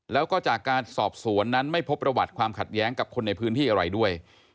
แล้วก็จากการสอบสวนนั้นไม่พบประวัติความขัดแย้งกับคนในพื้นที่อะไรด้วย